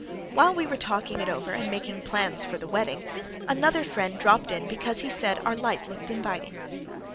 While we were talking it over and making plans for the wedding another friend dropped in because he said our "light looked inviting."